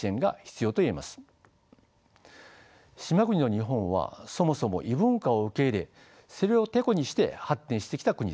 島国の日本はそもそも異文化を受け入れそれをテコにして発展してきた国です。